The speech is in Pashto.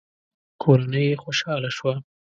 کورنۍ يې خوشاله شوه.